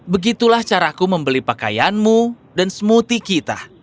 begitulah caraku membeli pakaianmu dan smoothie kita